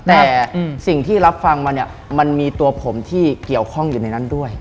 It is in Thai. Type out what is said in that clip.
แต่สิ่งที่รับฟังมาเนี่ยมันมีตัวผมที่เกี่ยวข้องอยู่ในนั้นด้วย